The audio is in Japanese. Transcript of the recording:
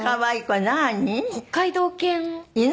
北海道犬。